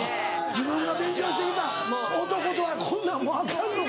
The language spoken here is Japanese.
自分が勉強してきた男とはこんなんもうアカンのか。